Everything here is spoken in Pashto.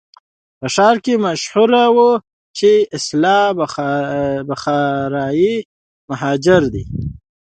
په ښار کې مشهوره وه چې اصلاً بخارایي مهاجر دی.